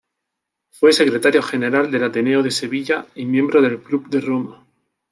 Fue Secretario General del Ateneo de Sevilla y miembro del Club de Roma.